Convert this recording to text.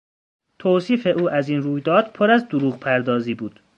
توصیف او از این رویداد پر از دروغپردازی بود.